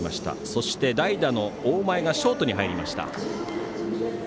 そして、代打の大前がショートに入りました。